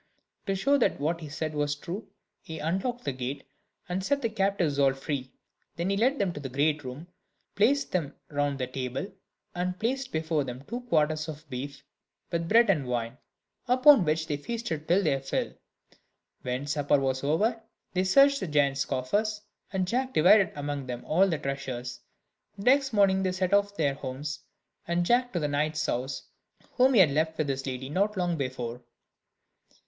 To show that what he said was true, he unlocked the gate, and set the captives all free. Then he led them to the great room, placed them round the table, and placed before them two quarters of beef, with bread and wine; upon which they feasted their fill. When supper was over, they searched the giant's coffers, and Jack divided among them all the treasures. The next morning they set off to their homes, and Jack to the knight's house, whom he had left with his lady not long before.